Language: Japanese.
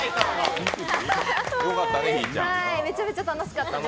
めちゃめちゃ楽しかったです。